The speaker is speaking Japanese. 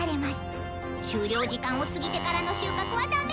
終了時間を過ぎてからの収穫はダメ！